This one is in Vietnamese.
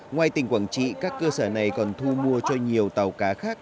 ngoài tỉnh quảng trị các cơ sở này còn thu mua cho nhiều tàu cá khác